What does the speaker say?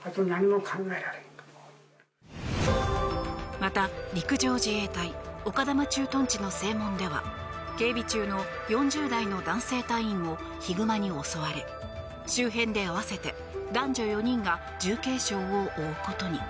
また、陸上自衛隊丘珠駐屯地の正門では警備中の４０代の男性隊員もヒグマに襲われ周辺で合わせて男女４人が重軽傷を負うことに。